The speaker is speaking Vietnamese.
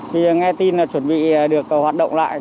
thì nghe tin là chuẩn bị được hoạt động lại